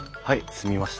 済みました。